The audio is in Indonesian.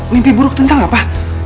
mimpi buruk tentang apa